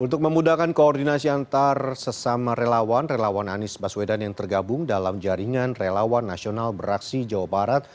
untuk memudahkan koordinasi antar sesama relawan relawan anies baswedan yang tergabung dalam jaringan relawan nasional beraksi jawa barat